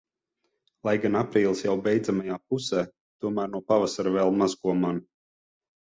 Lai gan aprīlis jau beidzamajā pusē, tomēr no pavasara vēl maz ko mana.